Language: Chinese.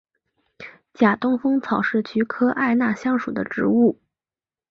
假东风草是菊科艾纳香属的植物。